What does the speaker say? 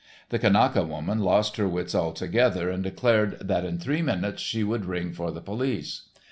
The Kanaka woman lost her wits altogether, and declared that in three more minutes she would ring for the police.